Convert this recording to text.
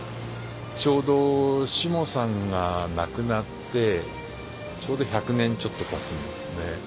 ちょうどしもさんが亡くなってちょうど１００年ちょっとたつんですね。